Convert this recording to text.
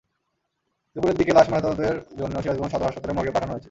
দুপুরের দিকে লাশ ময়নাতদন্তের জন্য সিরাজগঞ্জ সদর হাসপতালের মর্গে পাঠানো হয়েছে।